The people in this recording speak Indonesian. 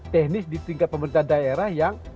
teknis di tingkat pemerintah daerah yang